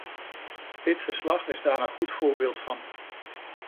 Dit verslag is daar een goed voorbeeld van.